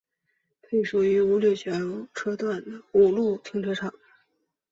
配属于五里桥车辆段和五路停车场。